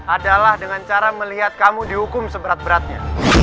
adalah dengan cara melihat kamu dihukum seberat beratnya